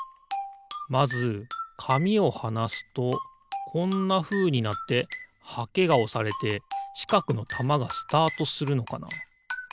まずかみをはなすとこんなふうになってはけがおされてちかくのたまがスタートするのかな？